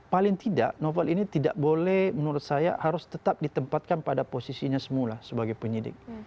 paling tidak novel ini tidak boleh menurut saya harus tetap ditempatkan pada posisinya semula sebagai penyidik